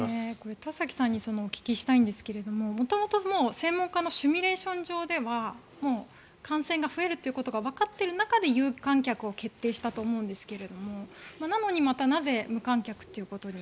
田崎さんにお聞きしたいんですが元々、専門家のシミュレーション上では感染が増えるということがわかっている中で有観客を決定したと思うんですけどなのに、またなぜ無観客ということに。